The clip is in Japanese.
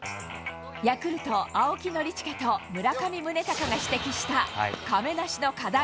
ヤクルト、青木宣親と村上宗隆が指摘した亀梨の課題。